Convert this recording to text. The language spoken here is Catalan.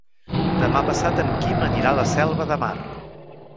Demà passat en Quim anirà a la Selva de Mar.